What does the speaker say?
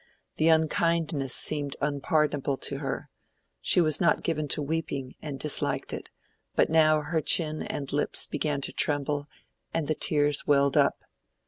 The unkindness seemed unpardonable to her: she was not given to weeping and disliked it, but now her chin and lips began to tremble and the tears welled up.